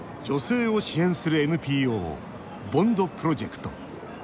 女性を支援するＮＰＯＢＯＮＤプロジェクト。